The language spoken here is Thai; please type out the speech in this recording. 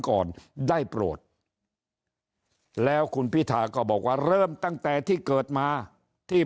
ก่อนได้โปรดแล้วคุณพิธาก็บอกว่าเริ่มตั้งแต่ที่เกิดมาที่